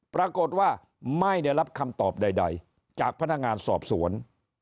ปรากฏว่าไม่ได้รับคำตอบใดจากพนักงานสอบสวน